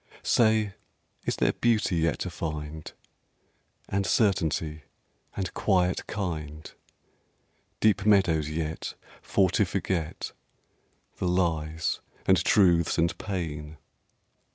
Say, is there Beauty yet to find? And Certainty? and Quiet kind? Deep meadows yet, for to forget The lies, and truths, and pain?...